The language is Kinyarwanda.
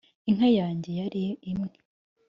inka yanjye yali imwe